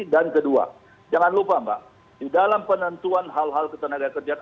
dan kedua jangan lupa mbak di dalam penentuan hal hal ketenagakerjaan